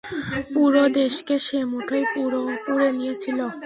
পুরো দেশকে সে মুঠোয় পুরে নিয়েছিল।